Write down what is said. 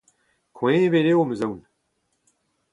Koeñvet eo ‘m eus aon.